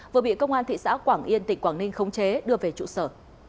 vừa bị công an thị xã quảng yên tỉnh quảng ninh khống chế đưa về trụ sở